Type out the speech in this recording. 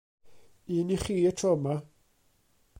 Un i chi y tro yma.